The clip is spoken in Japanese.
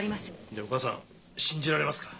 じゃあお母さん信じられますか？